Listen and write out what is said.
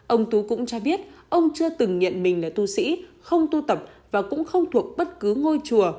ông tú cũng cho biết ông chưa từng nhận mình là tu sĩ không tu tập và cũng không thuộc bất cứ ngôi chùa